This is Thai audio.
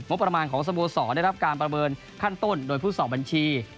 ประมาณของสโมสรได้รับการประเมินขั้นต้นโดยผู้สอบบัญชี